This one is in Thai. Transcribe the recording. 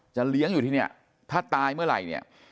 จะเลี้ยงอยู่ที่นี่ถ้าตายเมื่อไหร่